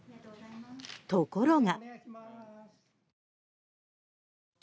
ところが。